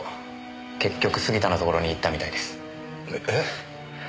結局杉田のところにいったみたいです。え？